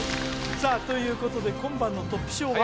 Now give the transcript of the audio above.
さあということで今晩のトップ賞は？